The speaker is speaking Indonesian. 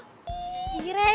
gue gak ngajak ngajak sih lo